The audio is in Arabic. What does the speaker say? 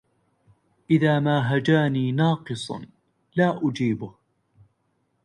إذا ما هجاني ناقص لا أجيبه